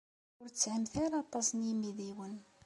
Ur tesɛimt ara aṭas n yimidiwen.